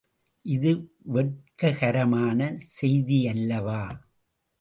இது வெட்ககரமான செய்தியல்லவா!